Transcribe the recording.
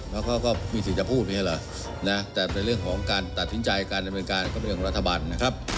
แล้วก็มีสิทธิ์จะพูดไหมเหรอแต่ในเรื่องของการตัดสินใจการแบ่งการก็เป็นเรื่องของรัฐบาลนะครับ